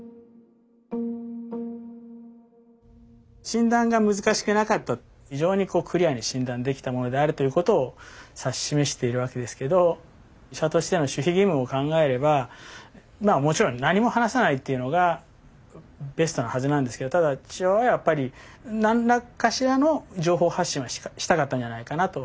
診断が難しくなかった非常にクリアに診断できたものであるということを指し示しているわけですけど医者としての守秘義務を考えればまあもちろん何も話さないっていうのがベストなはずなんですけどただ父親はやっぱり何かしらの情報発信はしたかったんじゃないかなと。